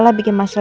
apa bener ya